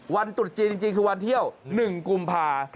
วันตุดจีนจริงคือวันเที่ยว๑กุมภาคม